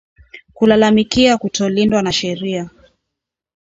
Kulalamikia kutolindwa na sheria